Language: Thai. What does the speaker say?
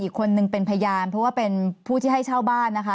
คนหนึ่งเป็นพยานเพราะว่าเป็นผู้ที่ให้เช่าบ้านนะคะ